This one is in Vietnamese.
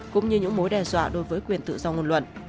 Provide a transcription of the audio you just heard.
cũng như những mối đe dọa đối với quyền tự do ngôn luận